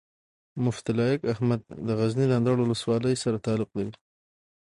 مفتي لائق احمد د غزني د اندړو ولسوالۍ سره تعلق لري